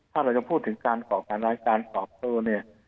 ถ้าเราจะพูดถึงการก่อการร้ายการตอบโต้เนี่ย